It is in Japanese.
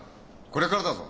これからだぞ。